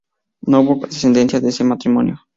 No hubo descendencia de este matrimonio.